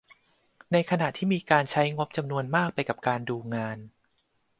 ในขณะที่มีการใช้งบจำนวนมากไปกับการดูงาน